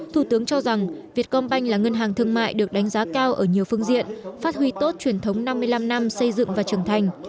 thủ tướng cho rằng việt công banh là ngân hàng thương mại được đánh giá cao ở nhiều phương diện phát huy tốt truyền thống năm mươi năm năm xây dựng và trưởng thành